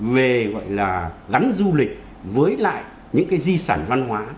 về gọi là gắn du lịch với lại những cái di sản văn hóa